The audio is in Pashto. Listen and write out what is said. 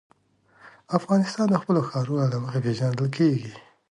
افغانستان د خپلو ښارونو له مخې پېژندل کېږي.